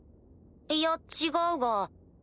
いや違うが。